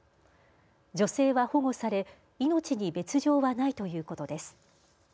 女性は保護され命に別状はないということです。